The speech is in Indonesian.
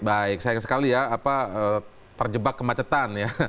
baik sayang sekali ya apa terjebak kemacetan ya